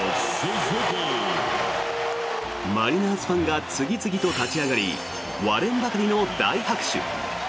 マリナーズファンが次々と立ち上がり割れんばかりの大拍手。